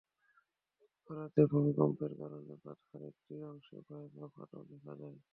বুধবার রাতে ভূমিকম্পের কারণে বাঁধের একটি অংশে ভয়াবহ ফাটল দেখা দেয়।